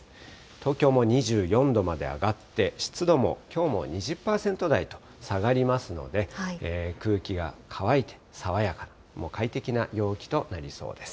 東京も２４度まで上がって、湿度もきょうも２０％台と下がりますので、空気が乾いて爽やかな、快適な陽気となりそうです。